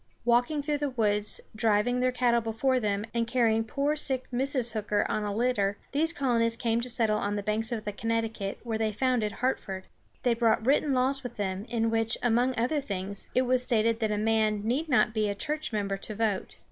Walking through the woods, driving their cattle before them, and carrying poor sick Mrs. Hooker on a litter, these colonists came to settle on the banks of the Connecticut, where they founded Hartford. They brought written laws with them, in which, among other things, it was stated that a man need not be a church member to vote.